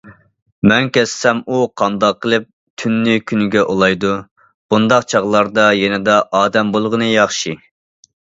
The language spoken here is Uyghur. مەن كەتسەم ئۇ قانداق قىلىپ تۈننى كۈنگە ئۇلايدۇ؟ بۇنداق چاغلاردا يېنىدا ئادەم بولغىنى ياخشى.